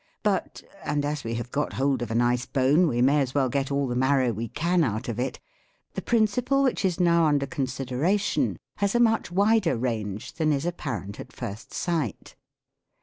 But — and as we have got hold of a nice bone, we may as well get all the marrow vv^e can out of it — the principle which is now under consideration has a much wider range than is apparent at first sight.